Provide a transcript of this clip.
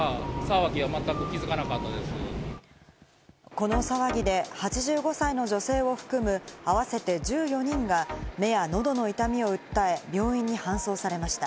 この騒ぎで８５歳の女性を含むあわせて１４人が目や喉の痛みを訴え、病院に搬送されました。